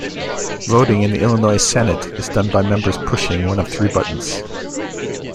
Voting in the Illinois Senate is done by members pushing one of three buttons.